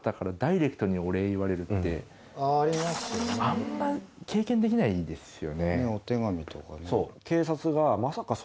あんま経験できないですよね